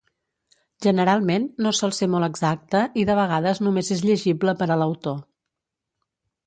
Generalment, no sol ser molt exacte i de vegades només és llegible per a l'autor.